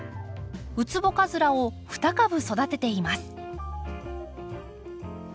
ウツボカズラを２株育てています。